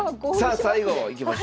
さあ最後いきましょう。